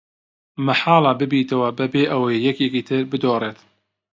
مەحاڵە ببەیتەوە بەبێ ئەوەی یەکێکی تر بدۆڕێت.